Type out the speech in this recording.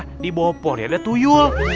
tadi bopor ya ada tuyul